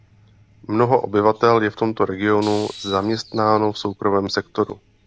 Mnoho obyvatel je v tomto regionu zaměstnáno v soukromém sektoru.